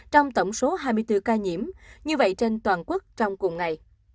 trong tổng số hai mươi bốn ca nhiễm như vậy trên toàn quốc trong cùng ngày